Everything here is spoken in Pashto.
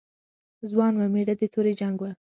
ځوان و، مېړه د تورې جنګ و.